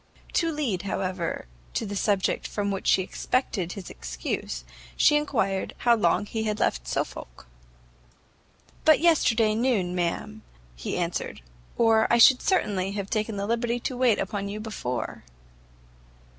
To lead, however, to the subject from which she expected his excuse, she enquired how long he had left Suffolk? "But yesterday noon, ma'am," he answered, "or I should certainly have taken the liberty to wait upon you before."